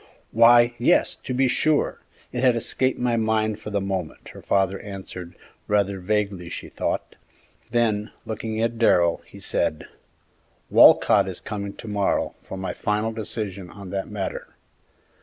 "Why, yes, to be sure; it had escaped my mind for the moment," her father answered, rather vaguely she thought; then, looking at Darrell, he said, "Walcott is coming to morrow for my final decision in that matter."